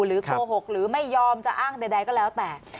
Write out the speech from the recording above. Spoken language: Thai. โกหกหรือไม่ยอมจะอ้างใดก็แล้วแต่